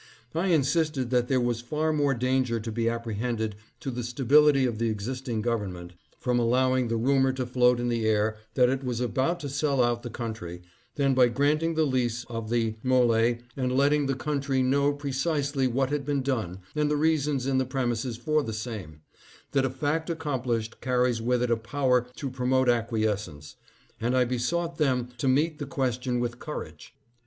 ' I insisted that there was far more danger to be apprehended to the stability of the existing government from allowing the rumor to float in the air that it was about to sell out the country, than by granting the lease of the M61e and letting the country know precisely what had been done and the reasons in the premises for the same; that a fact accomplished carries with it a power to promote ac NEGOTIATIONS FOR THE MOLE ST. NICOLAS. 737 quiescence ; and I besought them to meet the question with courage.